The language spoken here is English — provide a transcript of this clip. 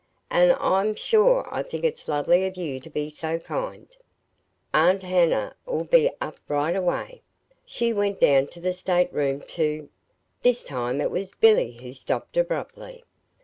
"And I'm sure I think it's lovely of you to be so kind. Aunt Hannah'll be up right away. She went down to the stateroom to " This time it was Billy who stopped abruptly.